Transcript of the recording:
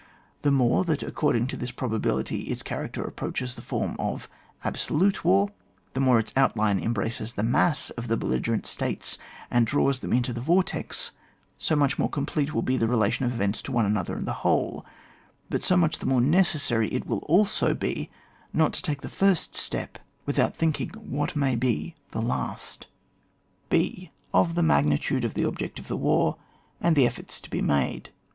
The more, that according to this probability its character approaches the form i»f dlisolule wai, die more its outline embraots the mass of the belli gerez\/i states and d^ws thom into the vortex, ^ much the mor^ complete will be the relation of events to one another and the whole, but so much the more necessary it will also be not to take the first step without thinking what may be the last J?.— OF THE MAGNITUDE OF THE OBJECT OF THE WAR, AND THE EFFORTS TO BE MADE.